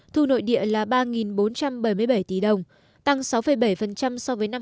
thu nội địa là ba bốn trăm bảy mươi bảy tỷ đồng tăng sáu bảy so với năm hai nghìn một mươi tám